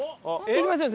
行きますよ